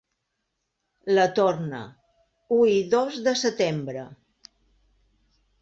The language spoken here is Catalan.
La torna: u i dos de setembre.